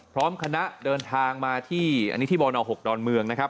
พร้อมคณะเดินทางมาที่อันนี้ที่บน๖ดอนเมืองนะครับ